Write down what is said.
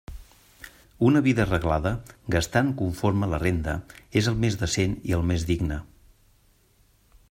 Una vida arreglada, gastant conforme a la renda, és el més decent i el més digne.